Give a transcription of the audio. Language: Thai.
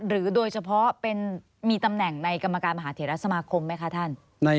โดยเฉพาะมีตำแหน่งในกรรมการมหาเถระสมาคมไหมคะท่าน